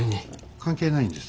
関係ないんです